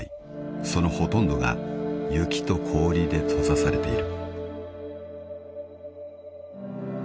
［そのほとんどが雪と氷で閉ざされている］